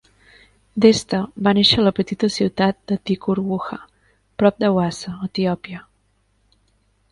Desta va néixer a la petita ciutat de Tiqur Wuha prop d'Awassa, Etiòpia.